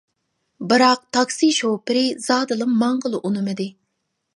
بىراق تاكسى شوپۇرى زادىلا ماڭغىلى ئۇنىمىدى.